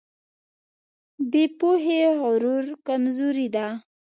بې پوهې غرور کمزوري ده.